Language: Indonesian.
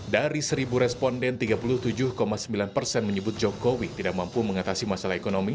dari seribu responden tiga puluh tujuh sembilan persen menyebut jokowi tidak mampu mengatasi masalah ekonomi